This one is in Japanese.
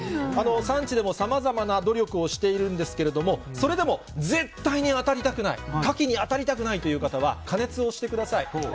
産地でもさまざまな努力をしているんですけれども、それでも絶対にあたりたくない、カキにあたりたくないという方は、加熱をしてください。